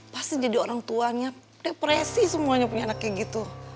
pasti jadi orang tuanya depresi semuanya punya anak kayak gitu